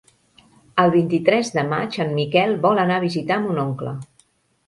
El vint-i-tres de maig en Miquel vol anar a visitar mon oncle.